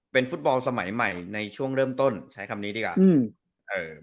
เป็นฟุตบอลสมัยใหม่ในช่วงเริ่มต้นใช้คำนี้ดีกว่าอืมเอ่อ